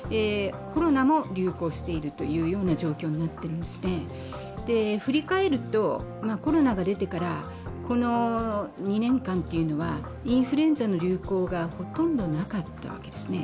コロナも流行しているというような状況になっていまして、振り返ると、コロナが出てからこの２年間というのはインフルエンザの流行がほとんどなかったわけですね。